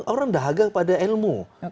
orang dahaga pada ilmu